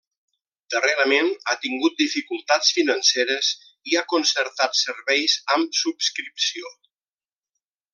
Darrerament ha tingut dificultats financeres i ha concertat serveis amb subscripció.